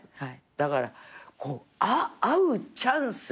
だから会うチャンス？